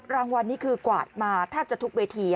รางวัลนี้คือกวาดมาแทบจะทุกเวที